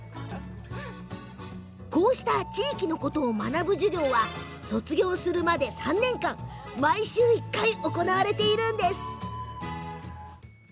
こうした地域のことを学ぶ授業は卒業するまで３年間毎週１回行われているんです。